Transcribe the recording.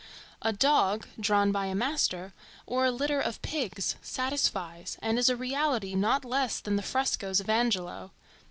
A dog, drawn by a master, or a litter of pigs, satisfies and is a reality not less than the frescoes of Angelo.